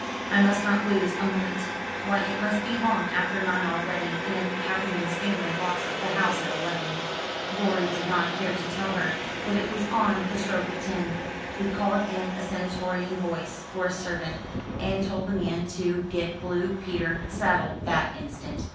I must not lose a moment. Why it must be long after nine already, and Captain Winstanley locks up the house at eleven." Rorie did not care to tell her that it was on the stroke of ten. He called in a stentorian voice for a servant, and told the man to get Blue Peter saddled that instant.